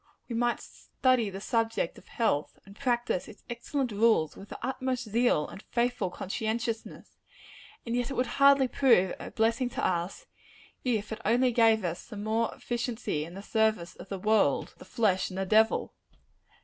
We might study the subject of health, and practice its excellent rules with the utmost zeal and faithful conscientiousness; and yet it would hardly prove a blessing to us, if it only gave us the more efficiency in the service of the world, the flesh and the devil.